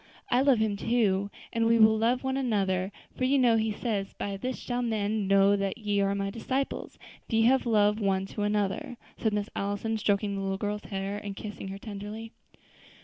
I love Him too, and we will love one another; for you know He says, 'By this shall men know that ye are my disciples, if ye have love one to another,'" said Miss Allison, stroking the little girl's hair, and kissing her tenderly.